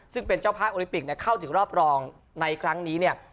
ซึ่งเป็นเจ้าภาพโอลิปิกเข้าถึงรอบรองในครั้งนี้เนี่ย